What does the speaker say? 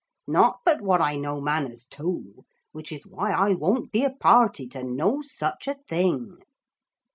Not but what I know manners too, which is why I won't be a party to no such a thing.'